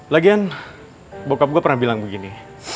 lagian bokap gue pernah bilang begini